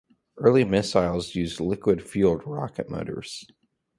Early missiles used liquid-fueled rocket motors.